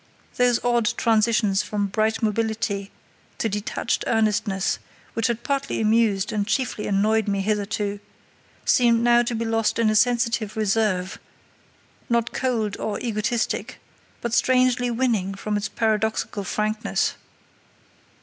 Those odd transitions from bright mobility to detached earnestness, which had partly amused and chiefly annoyed me hitherto, seemed now to be lost in a sensitive reserve, not cold or egotistic, but strangely winning from its paradoxical frankness.